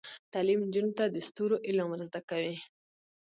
تعلیم نجونو ته د ستورو علم ور زده کوي.